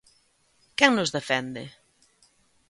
Quen nos defende?